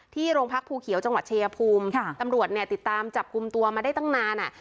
โรงพักภูเขียวจังหวัดชายภูมิค่ะตำรวจเนี่ยติดตามจับกลุ่มตัวมาได้ตั้งนานอ่ะ